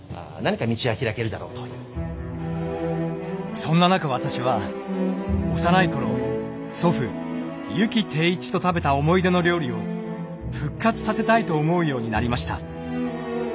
そんな中私は幼い頃祖父・湯木貞一と食べた思い出の料理を復活させたいと思うようになりました。